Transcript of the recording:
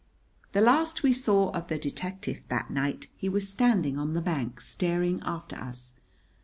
The last we saw of the detective that night he was standing on the bank, staring after us.